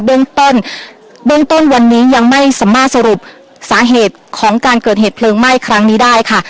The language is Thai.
เบื้องต้นเบื้องต้นวันนี้ยังไม่สามารถสรุปสาเหตุของการเกิดเหตุเพลิงไหม้ครั้งนี้ได้ค่ะ